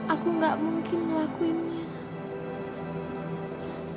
aku enggak mungkin ngelakuinnya